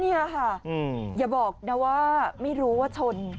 นี่ค่ะอย่าบอกนะว่าไม่รู้ว่าชน